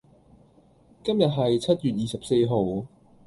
今日係七月二十四號